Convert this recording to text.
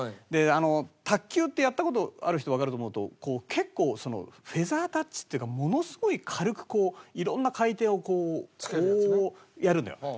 で卓球ってやった事ある人わかると思うけど結構フェザータッチっていうかものすごい軽くこう色んな回転をこうやるのよ。